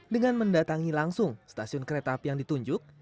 dengan mendatangi langsung stasiun kereta api yang ditunjuk